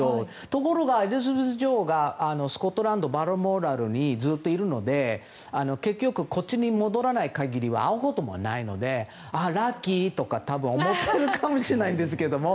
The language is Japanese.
ところがエリザベス女王がスコットランド、バルモラルにずっといるので結局、こっちに戻らない限りは会うこともないのでラッキーとか思っているかもしれないですけども。